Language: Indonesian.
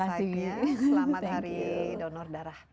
selamat hari donordarah